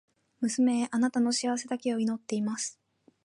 娘へ、貴女の幸せだけを祈っています。